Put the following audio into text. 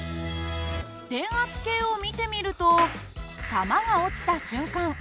電圧計を見てみると玉が落ちた瞬間